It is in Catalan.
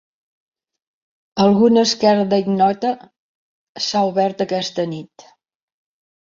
Alguna esquerda ignota s'ha obert aquesta nit.